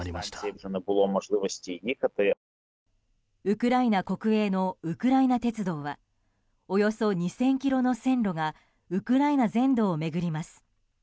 ウクライナ国営のウクライナ鉄道はおよそ２０００ｋｍの線路がウクライナ全土を巡ります。